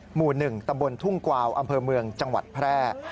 หมู่๑ตำบลทุ่งกวาวอำเภอเมืองจังหวัดแพร่